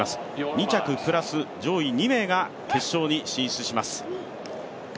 ２着プラス上位２名が決勝に進出します。